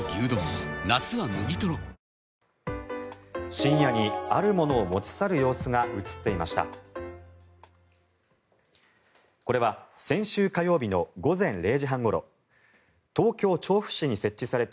深夜にあるものを持ち去る様子が映っていました。